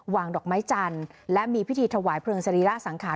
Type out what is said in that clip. ดอกไม้จันทร์และมีพิธีถวายเพลิงสรีระสังขาร